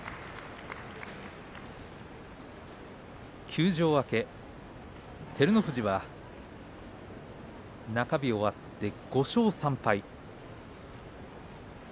休場明け、照ノ富士は中日を終わって５勝３敗。